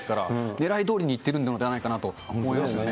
ねらいどおりにいってるのではないかなと思いますね。